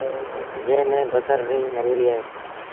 جݩهݩ ميݩ بسر ريٚ مزوريٚ ڪئيٚ۔